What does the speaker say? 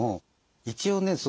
一応ね